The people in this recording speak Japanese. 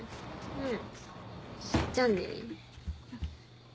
うん。